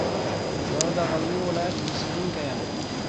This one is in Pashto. زه د غزني ولایت اوسېدونکی یم.